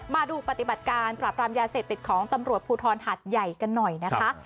มาดูปฏิบัติการปราบรามยาเสพติดของตำรวจภูทรหัดใหญ่กันหน่อยนะคะ